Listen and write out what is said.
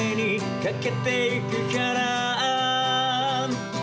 「駆けて行くから」